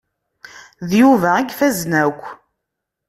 D Yuba i ifazen akk.